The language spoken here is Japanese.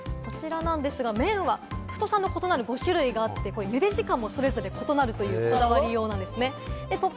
麺は太さの異なる５種類があって、ゆで時間もそれぞれ異なるという、こだわりようなんですね。